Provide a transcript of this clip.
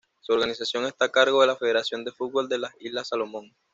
Su organización está a cargo de la Federación de Fútbol de las Islas Salomón.